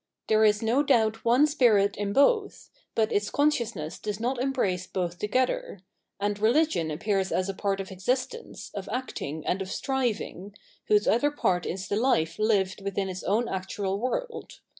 There is no doubt one spirit in both, but its conscious ness does not embrace both together; and religion appears as a part of existence, of acting, and of striving, whose other part is the life lived within its own actual world.